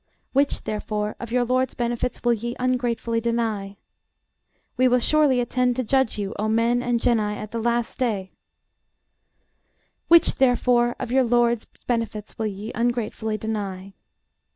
Which, therefore, of your LORD'S benefits will ye ungratefully deny? We will surely attend to judge you, O men and genii, at the last day. Which, therefore, of your LORD'S benefits will ye ungratefully deny?